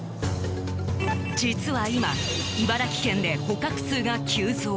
実は、今茨城県で捕獲数が急増。